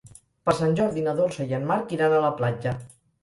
Per Sant Jordi na Dolça i en Marc iran a la platja.